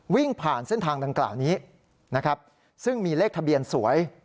วิ่งผ่านเส้นทางดังกล่าวนี้นะครับซึ่งมีเลขทะเบียนสวย